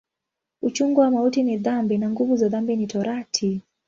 Uchungu wa mauti ni dhambi, na nguvu za dhambi ni Torati.